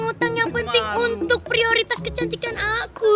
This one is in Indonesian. utang yang penting untuk prioritas kecantikan aku